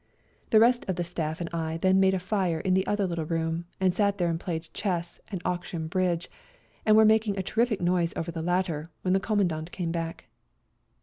The rest of the Staff and I then made a fire in the other little room, and sat there and played chess and auction bridge, and were making a terrific noise over the latter, when the Commandant came back.